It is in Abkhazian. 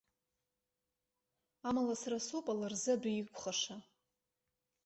Амала сара соуп ала рзы адәы иқәхаша.